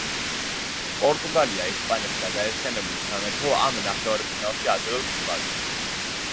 პორტუგალია, ესპანეთი და გაერთიანებული სამეფო ამ ნახევარფინალში აძლევს ხმას.